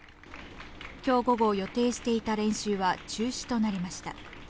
きょう午後、予定していた練習は中止となりました。